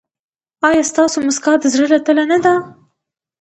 ایا ستاسو مسکا د زړه له تله نه ده؟